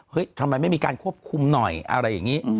ทำไมไม่มีการควบคุมหน่อยอะไรอย่างนี้